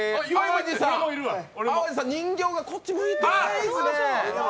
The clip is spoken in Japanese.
淡路さん、人形がこっち向いてないですねえ。